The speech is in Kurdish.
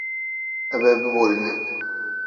Ew ê biborînin.